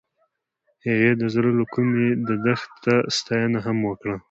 هغې د زړه له کومې د دښته ستاینه هم وکړه.